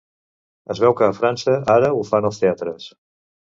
Es veu que a França ara ho fan als teatres.